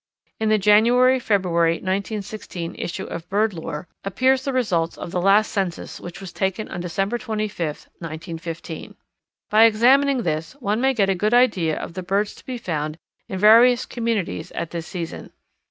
In the January February, 1916, issue of Bird Lore appears the results of the last census which was taken on December 25, 1915. By examining this one may get a good idea of the birds to be found in various communities at this season.